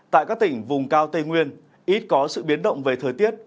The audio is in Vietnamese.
tại các tỉnh vùng cao tây nguyên ít có sự biến động về thời tiết